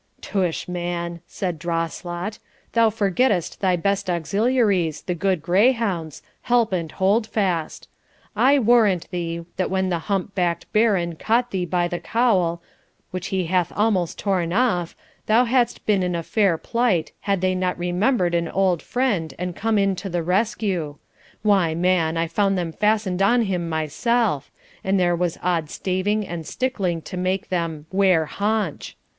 'Tush, man,' said Drawslot, 'thou forgettest thy best auxiliaries, the good greyhounds, Help and Holdfast! I warrant thee, that when the hump backed Baron caught thee by the cowl, which he hath almost torn off, thou hadst been in a fair plight had they not remembered an old friend, and come in to the rescue. Why, man, I found them fastened on him myself; and there was odd staving and stickling to make them "ware haunch!"